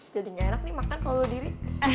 jadi gak enak nih makan kalo lo diri